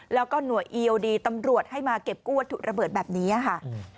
แล้วก็หน่วยอีโอดีตำรวจให้มาเก็บกู้วัตถุระเบิดแบบนี้ค่ะ